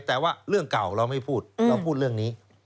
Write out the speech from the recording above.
แต่ว่าเรื่องเก่าเราไม่พูดเราพูดเรื่องนี้